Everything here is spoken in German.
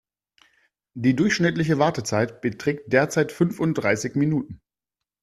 Die durchschnittliche Wartezeit beträgt derzeit fünfunddreißig Minuten.